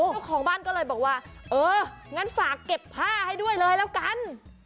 เจ้าของบ้านก็เลยบอกว่าเอองั้นฝากเก็บผ้าให้ด้วยเลยแล้วกัน